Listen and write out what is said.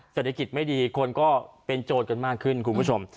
เศรษฐกิจไม่ดีคนก็เป็นโจทย์กันมากขึ้นคุณผู้ชม